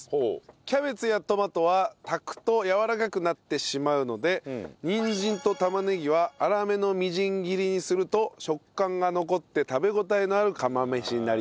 キャベツやトマトは炊くとやわらかくなってしまうのでにんじんと玉ねぎは粗めのみじん切りにすると食感が残って食べ応えのある釜飯になります。